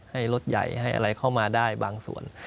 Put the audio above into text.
ให้รถใหญ่ให้อะไรเข้ามาได้บางส่วน